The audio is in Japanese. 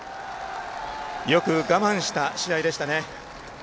よく我慢した試合でしたね。